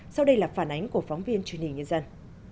sau đây là phản ánh của phóng viên truyền hình nhân dân